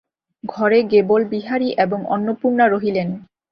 ঘরে গেবল বিহারী এবং অন্নপূর্ণা রহিলেন।